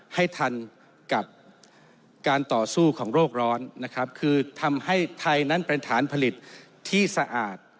ให้ทันกับการต่อสู้ของโรคร้อนนะครับคือทำให้ไทยนั้นเป็นฐานผลิตที่สะอาด